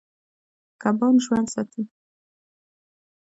کبان ژوند ساتي.